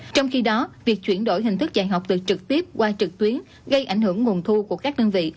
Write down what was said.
trong khi đó việc chuyển đổi hình thức dạy học từ trực tiếp qua trực tuyến gây ảnh hưởng nguồn thu của các đơn vị